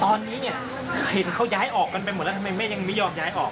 ตอนนี้เนี่ยเห็นเขาย้ายออกกันไปหมดแล้วทำไมแม่ยังไม่ยอมย้ายออก